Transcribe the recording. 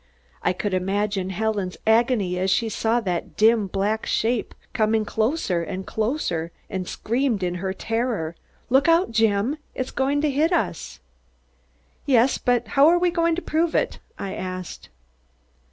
I could imagine Helen's agony as she saw that dim black shape come closer and closer and screamed in her terror, "Look out, Jim! It's going to hit us." "Yes, but how are we going to prove it?" I asked.